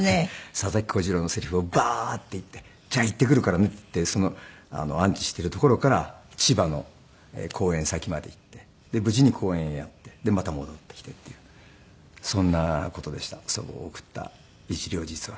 佐々木小次郎のセリフをバーッて言って「じゃあ行ってくるからね」って言って安置している所から千葉の公演先まで行ってで無事に公演やってでまた戻ってきてっていうそんな事でした祖母を送った一両日は。